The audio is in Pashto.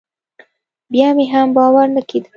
بيا مې هم باور نه کېده.